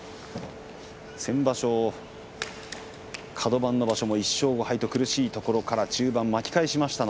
先場所、カド番の場所も１勝５敗と苦しいところから中盤巻き返しました。